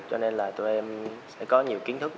cho nên là tụi em sẽ có nhiều kiến thức